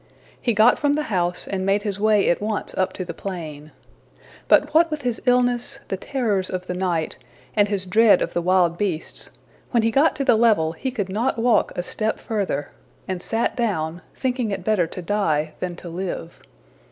He got from the house and made his way at once up to the plain. But what with his illness, the terrors of the night, and his dread of the wild beasts, when he got to the level he could not walk a step further, and sat down, thinking it better to die than to live.